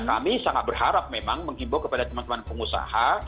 kami sangat berharap memang menghimbau kepada teman teman pengusaha